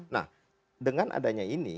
nah dengan adanya ini